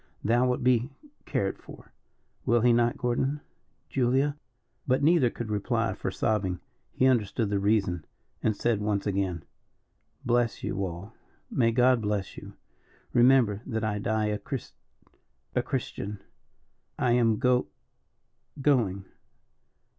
Thou wilt be cared for; will he not, Gordon Julia?" But neither could reply for sobbing. He understood the reason, and said once again: "Bless you all may God bless you. Remember that I die a Chris a Christian. I am go going.